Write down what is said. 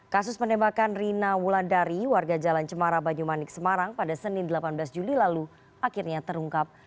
kasus penembakan rina wulandari warga jalan cemara banyumanik semarang pada senin delapan belas juli lalu akhirnya terungkap